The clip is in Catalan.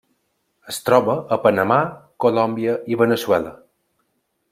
Es troba a Panamà, Colòmbia i Veneçuela.